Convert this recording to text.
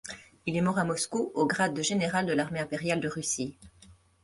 Il est mort à Moscou au grade de général de l'armée impériale de Russie.